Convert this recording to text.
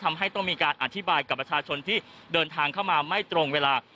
ทำให้ต้องมีการอธิบายกับประชาชนที่เดินทางเข้ามาไม่ตรงเวลา